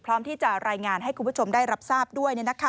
พร้อมที่จะรายงานให้คุณผู้ชมได้รับทราบด้วย